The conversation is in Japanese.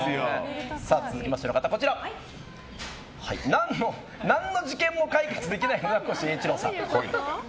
続きまして、何の事件も解決できない船越英一郎さん。